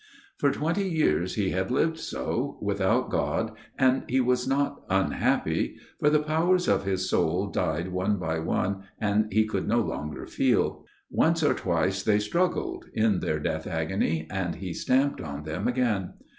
" For twenty years he had lived so ; without God, and he was not unhappy ; for the powers of his soul died one by one and he could no longer feel. Once or twice they struggled, in their death agony, and he stamped on them again.